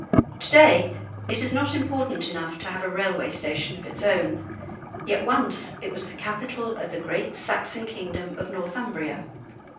To day it is not important enough to have a railway station of its own; yet once it was the capital of the great Saxon kingdom of Northumbria.